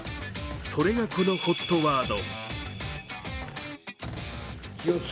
それがこのＨＯＴワード。